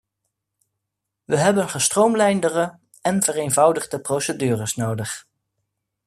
We hebben gestroomlijndere en vereenvoudigde procedures nodig.